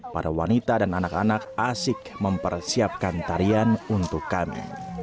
para wanita dan anak anak asik mempersiapkan tarian untuk kami